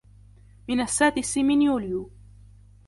من السادس من يوليو